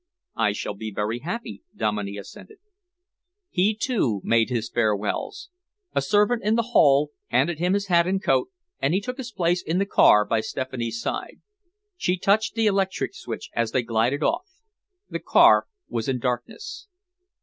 "I shall be very happy," Dominey assented. He, too, made his farewells. A servant in the hall handed him his hat and coat, and he took his place in the car by Stephanie's side. She touched the electric switch as they glided off. The car was in darkness.